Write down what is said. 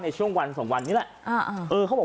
ในช่วงวันสองวันนี้แหละ